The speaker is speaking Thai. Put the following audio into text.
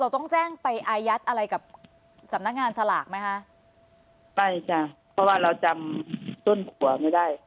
ต้องแจ้งไปอายัดอะไรกับสำนักงานสลากไหมคะไม่จ้ะเพราะว่าเราจำต้นผัวไม่ได้